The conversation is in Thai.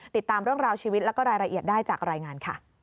ติดตามเรื่องราวชีวิตแล้วก็รายละเอียดได้จากรายงานค่ะ